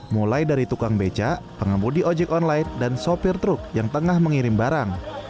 mulai dari tukang beca pengembudi ojek online dan sopir truk yang tengah mengirim barang